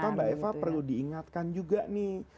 maka mbak eva perlu diingatkan juga nih